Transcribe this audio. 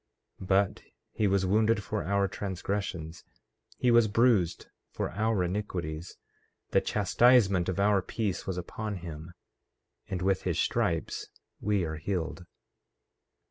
14:5 But he was wounded for our transgressions, he was bruised for our iniquities; the chastisement of our peace was upon him; and with his stripes we are healed.